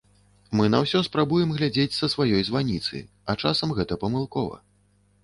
Мы на ўсё спрабуем глядзець са сваёй званіцы, а часам гэта памылкова.